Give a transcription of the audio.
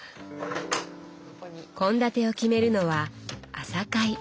献立を決めるのは「朝会」。